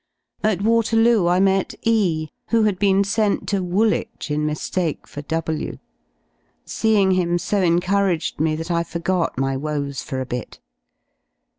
At Waterloo I met E , who had been sent to Woolwich in miftake for W Seeing him so encouraged me that I forgot my woes for a bit.